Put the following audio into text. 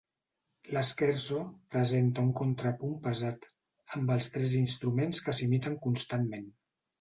L'scherzo presenta un contrapunt pesat, amb els tres instruments que s'imiten constantment.